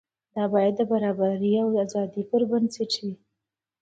دا باید د برابرۍ او ازادۍ پر بنسټ وي.